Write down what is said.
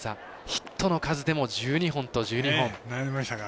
ヒットの数でも１２本と１２本。